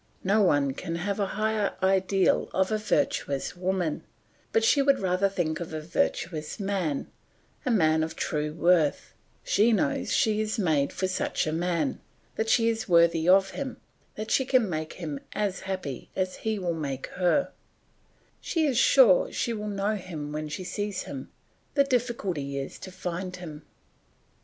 No one can have a higher ideal of a virtuous woman, but she would rather think of a virtuous man, a man of true worth; she knows that she is made for such a man, that she is worthy of him, that she can make him as happy as he will make her; she is sure she will know him when she sees him; the difficulty is to find him.